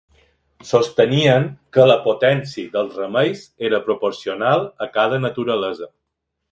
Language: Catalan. Sostenien que la potència dels remeis era proporcional a cada naturalesa.